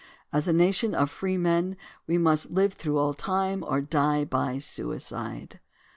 As a nation of free men we must live through all time, or die by suicide.